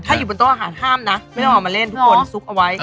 ถ้าอยู่บนโต๊ะอาหารห้ามนะไม่ต้องเอามาเล่นทุกคนซุกเอาไว้